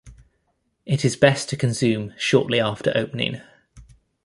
It is best to consume shortly after opening.